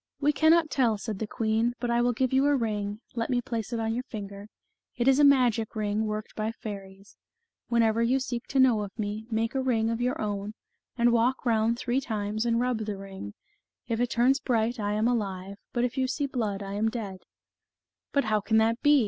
"We cannot tell," said the queen, "but I will give you a ring let me place it on your finger it is a magic ring worked by fairies. Whenever you seek to know of me, make a ring of your own, and walk round three times and rub the ring ; if it turns bright I am alive, but if you see blood I am dead." 40 The Fairy of the Dell. "But how can that be?